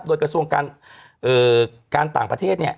โดยกระทรวงการต่างประเทศ